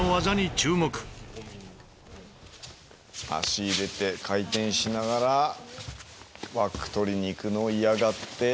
足入れて回転しながらバック取りにいくのを嫌がって。